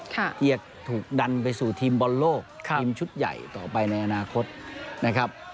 เกียรติถูกดันไปสู่ทีมบอลโลกทีมชุดใหญ่ต่อไปในอนาคตนะครับ